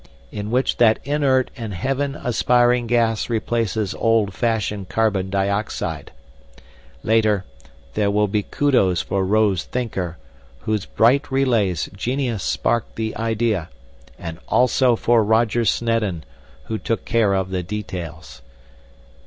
in which that inert and heaven aspiring gas replaces old fashioned carbon dioxide. Later, there will be kudos for Rose Thinker, whose bright relays genius sparked the idea, and also for Roger Snedden, who took care of the details.